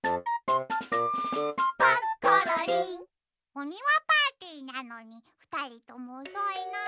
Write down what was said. おにわパーティーなのにふたりともおそいな。